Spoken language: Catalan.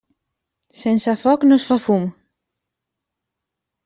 Sense foc no es fa fum.